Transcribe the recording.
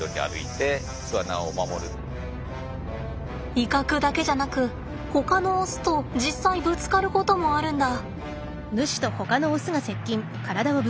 威嚇だけじゃなくほかのオスと実際ぶつかることもあるんだ。